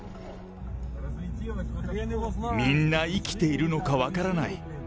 みんな生きているのか分からない。